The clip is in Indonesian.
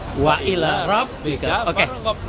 pak ida pak rok pak fangsob